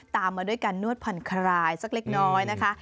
ตามมาด้วยการนวดผ่อนคลายสักเล็กน้อยนะคะ